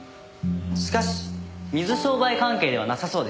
しかし水商売関係ではなさそうです。